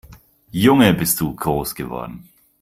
Junge, bist du groß geworden